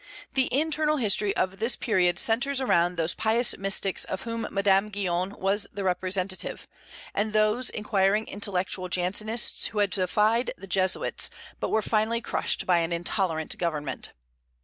The internal history of this period centres around those pious mystics of whom Madame Guyon was the representative, and those inquiring intellectual Jansenists who had defied the Jesuits, but were finally crushed by an intolerant government.